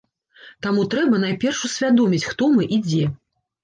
Таму трэба найперш усвядоміць, хто мы і дзе.